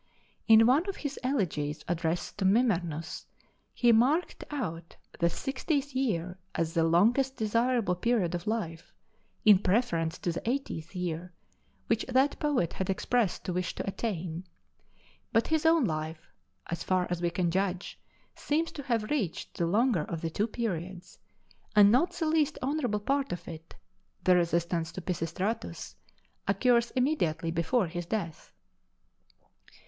In one of his elegies addressed to Mimnermus, he marked out the sixtieth year as the longest desirable period of life, in preference to the eightieth year, which that poet had expressed a wish to attain. But his own life, as far as we can judge, seems to have reached the longer of the two periods; and not the least honorable part of it (the resistance to Pisistratus) occurs immediately before his death.